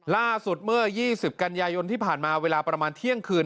ล่าสุดเมื่อ๒๐กันยายนที่ผ่านมาเวลาประมาณเที่ยงคืน